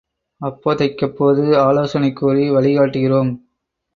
அப்போதைக்கப்போது ஆலோசனை கூறி வழிக் காட்டுகிறோம்.